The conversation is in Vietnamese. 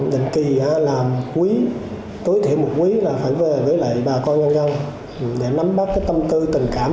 định kỳ làm quý tối thể một quý là phải về với lại bà con nhau nhau để nắm bắt tâm tư tình cảm